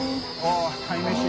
舛鯛めし。